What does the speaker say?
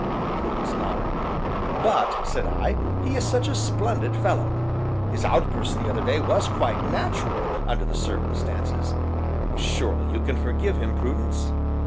Prudence nodded. "But," said I, "he is such a splendid fellow! His outburst the other day was quite natural, under the circumstances; surely you can forgive him, Prudence."